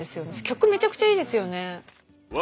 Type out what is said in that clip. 曲めちゃくちゃいいですよね。